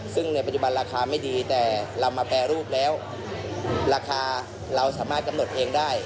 ซึ่งในปัจจุบันราคาไม่ดีแต่เรามาแปรรูปแล้วราคาเราสามารถกำหนดเองได้